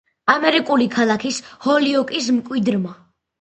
ამერიკული ქალაქის ჰოლიოკის მკვიდრმა,